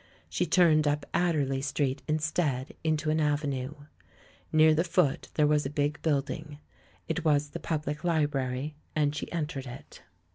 She turned up Adderley Street, instead, into an avenue. Near the foot there was a big building. It was the PubHc Library, and she entered it.